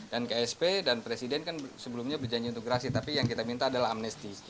dan ksp dan presiden kan sebelumnya berjanji untuk gerasi tapi yang kita minta adalah amnesti